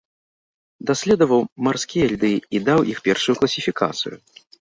Даследаваў марскія льды і даў іх першую класіфікацыю.